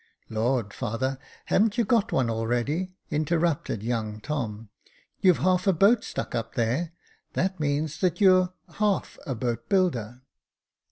" Lord, father, hav'n't you got one already ?" interrupted young Tom ;" you've half a boat stuck up there, and that means that you're half a boat builder."